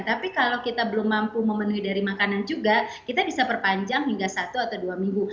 tapi kalau kita belum mampu memenuhi dari makanan juga kita bisa perpanjang hingga satu atau dua minggu